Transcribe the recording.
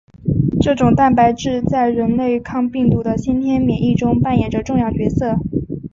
这种蛋白质在人类抗病毒的先天免疫中扮演着重要角色。